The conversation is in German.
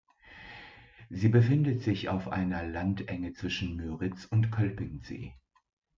Sie befindet sich auf einer Landenge zwischen Müritz und Kölpinsee.